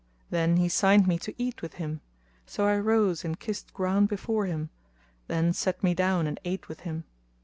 Then he signed me to eat with him; so I rose and kissed ground before him, then sat me down and ate with him.